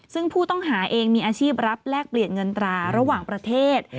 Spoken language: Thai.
ซึ่งผู้ต้องหาเองมีอาชีพรับแลกเปลี่ยนเงินตราระหว่างประเทศ